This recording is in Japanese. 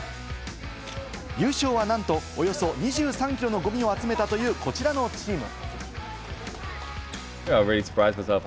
優勝はなんと、およそ２３キロのゴミを集めたというこちらのチーム。